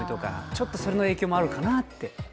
ちょっとその影響もあるかなと。